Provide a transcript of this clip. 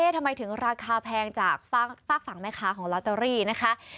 ทำไมถึงราคาแพงจากฝากฝั่งแม่ค้าของลอตเตอรี่นะคะ